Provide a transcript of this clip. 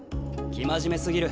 生真面目すぎる。